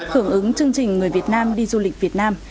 hưởng ứng chương trình người việt nam đi du lịch việt nam